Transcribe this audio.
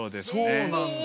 そうなんだ。